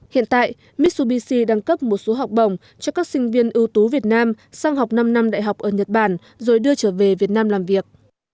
hiện tại mitsubishi đang cấp một số học bổng cho các sinh viên ưu tú việt nam sang học năm năm đại học ở nhật bản rồi đưa trở về việt nam làm việc